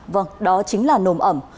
vâng đó chính là nồm ẩm